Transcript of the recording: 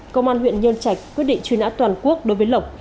công an huyện nhân trạch quyết định truy nã toàn quốc đối với lộc